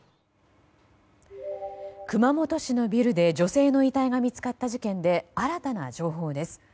熊本市のビルで女性の遺体が見つかった事件で新たな情報です。